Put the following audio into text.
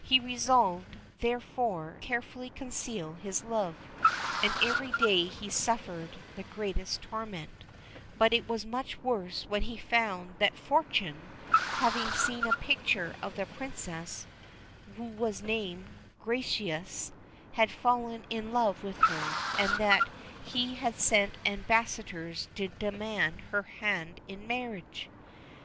He resolved, therefore, carefully to conceal his love, and every day he suffered the greatest torment; but it was much worse when he found that Fortuné, having seen a picture of the Princess, who was named Gracieuse, had fallen in love with her, and that he had sent ambassadors to demand her hand in marriage.